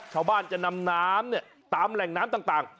ชาวบ้านจะนำน้ำเนี่ยตามแหล่งน้ำต่าง